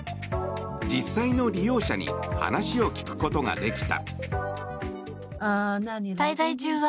実際の利用者に話を聞くことができた。